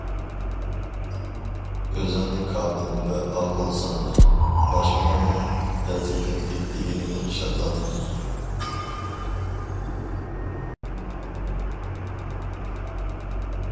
ئۆزۈڭنى كامىل ۋە ئاقىل سانىما، باشقىلارنىڭ پەزىلەتلىك دېگىنىدىن شادلانما.